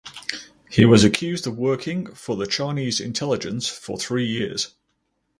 He was accused of working for the Chinese intelligence for three years.